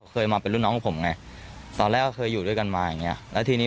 เคยมาเป็นรุ่นน้องกับผมไงตอนแรกเคยอยู่ด้วยกันมาอย่างนี้